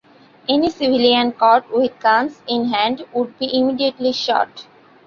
Any civilian caught with guns in hand would be immediately shot.